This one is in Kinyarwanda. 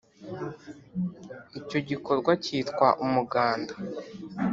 icyo gikorwa cyitwa umuganda: